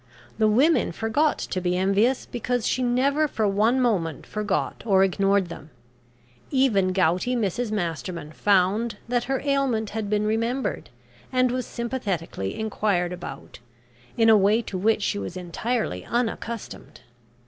The women forgot to be envious, because she never for one moment forgot or ignored them. Even gouty Mrs Masterman found that her ailment had been remembered, and was sympathetically enquired about in a way to which she was entirely unaccustomed.